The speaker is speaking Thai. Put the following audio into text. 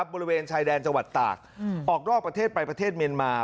บริเวณชายแดนจังหวัดตากออกนอกประเทศไปประเทศเมียนมา